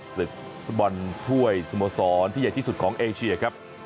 ศึกฟุตบอลถ้วยสโมสรที่ใหญ่ที่สุดของเอเชียครับ